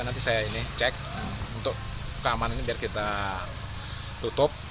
nanti saya ini cek untuk keamanan ini biar kita tutup